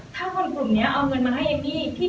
ถ้าคนกลุ่มนี้เอาเงินมาให้เอมมี่